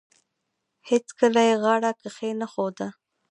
هیڅکله یې غاړه کښېنښوده.